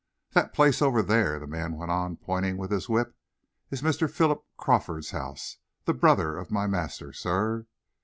"That place over there," the man went on, pointing with his whip, "is Mr. Philip Crawford's house the brother of my master, sir.